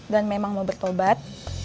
dan memang mau bertobat